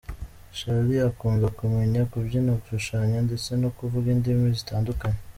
Charlene akunda kumenya kubyina, gushushanya ndetse no kuvuga indimi zitandukanye.